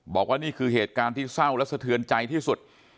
บอกว่านี่คือเหตุการณ์ที่เศร้าและสะเทือนใจที่สุด